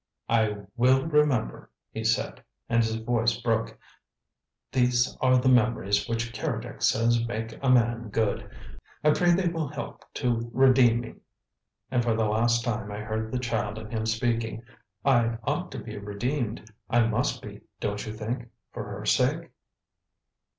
"I will remember " he said, and his voice broke. "These are the memories which Keredec says make a man good. I pray they will help to redeem me." And for the last time I heard the child in him speaking: "I ought to be redeemed; I must be, don't you think, for her sake?"